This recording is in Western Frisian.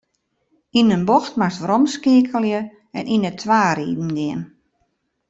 Yn in bocht moatst weromskeakelje en yn de twa riden gean.